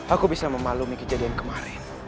aku bisa memaklumi kejadian kemarin